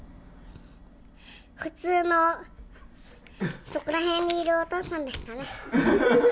普通のそこら辺にいるお父さんですかね。